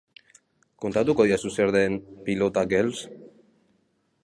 Kontatuko didazu zer den Pilota Girls?